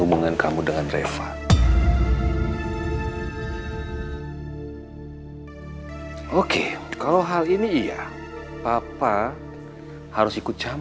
bisanya sudah diangkat